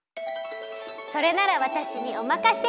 それならわたしにおまかシェル！